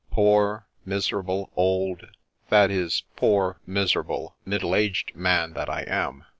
Poor, miserable, old — that is poor, miserable, middle aged man that I am